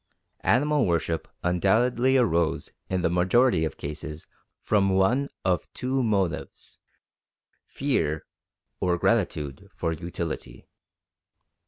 Animal worship undoubtedly arose in the majority of cases from one of two motives: fear or gratitude for utility.